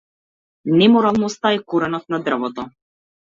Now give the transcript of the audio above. Неморалноста е коренот на дрвото.